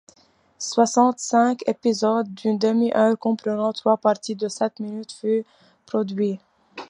Soixante cinq épisodes d'une demi-heure comprenant trois parties de sept minutes furent produits.